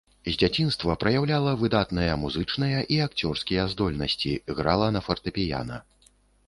З дзяцінства праяўляла выдатныя музычныя і акцёрскія здольнасці, грала на фартэпіяна.